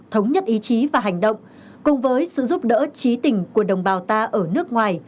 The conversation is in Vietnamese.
thống nhất ý chí và hành động cùng với sự giúp đỡ trí tình của đồng bào ta ở nước ngoài